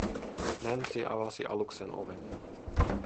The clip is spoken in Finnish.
Nancy avasi aluksen oven.